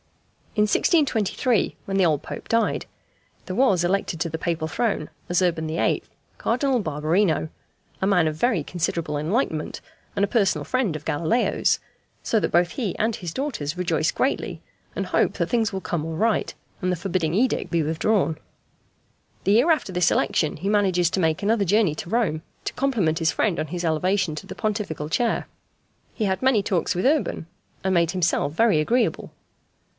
In 1623, when the old Pope died, there was elected to the Papal throne, as Urban VIII., Cardinal Barberino, a man of very considerable enlightenment, and a personal friend of Galileo's, so that both he and his daughters rejoice greatly, and hope that things will come all right, and the forbidding edict be withdrawn. The year after this election he manages to make another journey to Rome to compliment his friend on his elevation to the Pontifical chair. He had many talks with Urban, and made himself very agreeable.